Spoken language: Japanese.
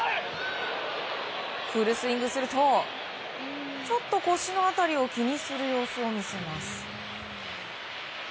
フルスイングするとちょっと腰の辺りを気にする様子を見せます。